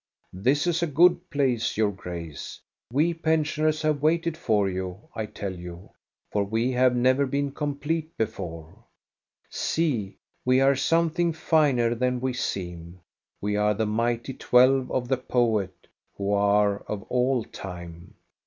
This is a good place, your Grace ! We pensioners have waited for you, I tell you, for we have never been complete before. See, 42 THE STORY OF GOSTA BERLING we are something finer than we seem ; we are the mighty twelve of the poet, who are of all time.